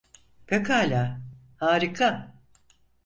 Pekala, harika.